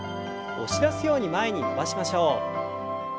押し出すように前に伸ばしましょう。